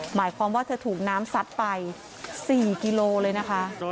หมายความว่าเธอถูกน้ำซัดไป๔กิโลเลยนะคะ